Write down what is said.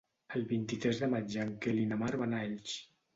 El vint-i-tres de maig en Quel i na Mar van a Elx.